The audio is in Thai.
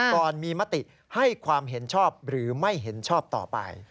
ก่อนมีมติให้ความเห็นชอบหรือไม่เห็นชอบต่อไป